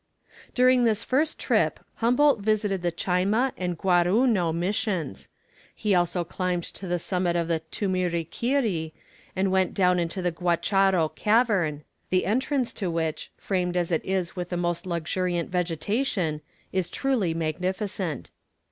During this first trip Humboldt visited the Chayma and Guarauno Missions. He also climbed to the summit of the Tumiriquiri, and went down into the Guacharo cavern, the entrance to which, framed as it is with the most luxuriant vegetation, is truly magnificent.